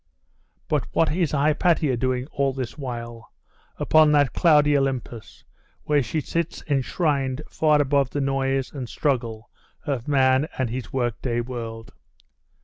But what is Hypatia doing all this while, upon that cloudy Olympus, where she sits enshrined far above the noise and struggle of man and his work day world?